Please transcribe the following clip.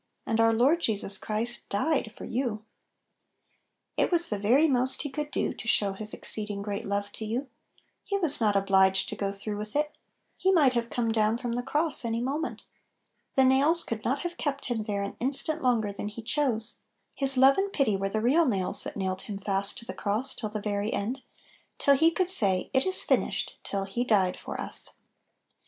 And "our Lord Jesus Christ died " for you. It was the very most he could do, t* show His exceeding great love to you He was not obliged to go through witl it; He might have come down from the cross any moment The nails could not have kept Him there an instant longer than He chose; His love and pity were the real nails that nailed Him fast to the cross till the very end, till He could say, "It is finished," till He "died for us."